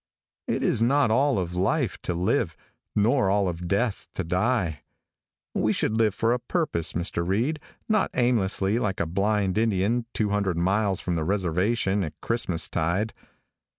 It is not all of life to live, nor all of death to die. We should live for a purpose, Mr. Reid, not aimlessly like a blind Indian, 200 miles from the reservation at Christmas tide.